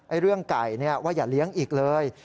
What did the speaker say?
ไอ้เรื่องไก่เนี่ยว่าอย่าเลี้ยงอีกเลย